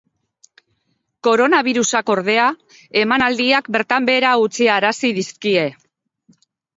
Koronabirusak ordea, emanaldiak bertan behera utziarazi dizkie.